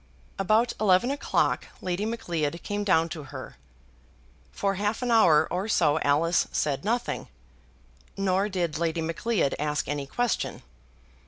About eleven o'clock Lady Macleod came down to her. For half an hour or so Alice said nothing; nor did Lady Macleod ask any question.